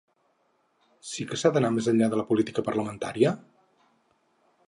Sí que s’ha d’anar més enllà de la política parlamentaria?